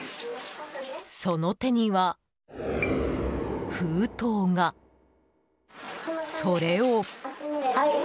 その手には封筒が。それを。